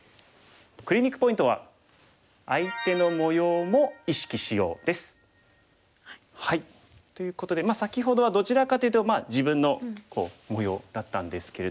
クリニックポイントは。ということで先ほどはどちらかというと自分の模様だったんですけれども。